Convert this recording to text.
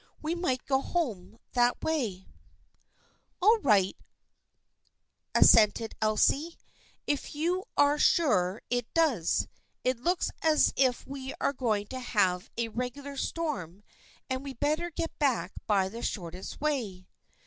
We might go home that way." THE FRIENDSHIP OF A1STNE 119 " All right," assented Elsie, " if you are sure it does. It looks as if we were going to have a regular storm and we had better get back by the shortest way."